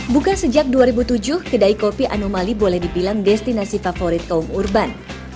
buka sejak dua ribu tujuh kedai kopi anomali boleh dibilang destinasi favorit kaum urban